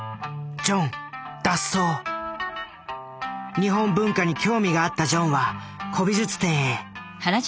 日本文化に興味があったジョンは古美術店へ。